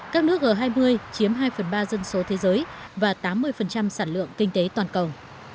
các nước g hai mươi chiếm hai phần ba dân số thế giới và tám mươi sản lượng kinh tế toàn cầu